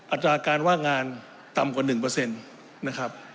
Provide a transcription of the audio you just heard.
อัตราการว่างงานต่ำกว่า๑นะครับ